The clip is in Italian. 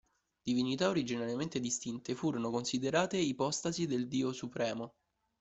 Divinità originariamente distinte furono considerate ipostasi del dio supremo.